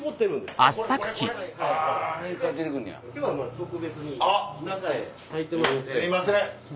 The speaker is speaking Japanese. すいません！